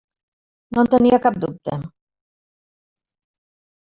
No en tenia cap dubte.